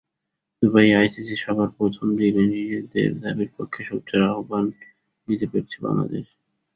দুবাইয়ে আইসিসি সভার প্রথম দিনে নিজেদের দাবির পক্ষে সোচ্চার অবস্থান নিতে পেরেছে বাংলাদেশ।